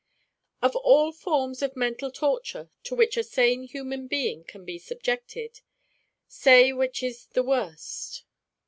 Of all forms of mental torture to which a sane human being can be subjected, say which is the worst?